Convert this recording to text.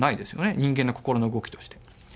人間の心の動きとして。